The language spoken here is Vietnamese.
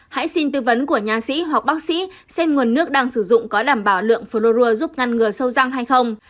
hãy xin tư vấn của nhạc sĩ hoặc bác sĩ xem nguồn nước đang sử dụng có đảm bảo lượng flori giúp ngăn ngừa sâu răng hay không